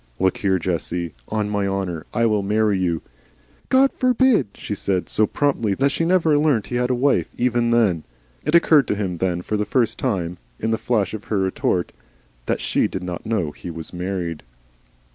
Look here, Jessie on my honour, I will marry you " "God forbid," she said, so promptly that she never learnt he had a wife, even then. It occurred to him then for the first time, in the flash of her retort, that she did not know he was married.